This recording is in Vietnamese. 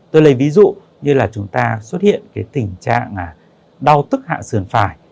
tôi lấy ví dụ như là chúng ta xuất hiện cái tình trạng đau tức hạ sườn phải